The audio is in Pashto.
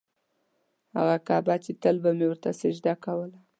هغه کعبه چې تل به مې ورته سجده کوله.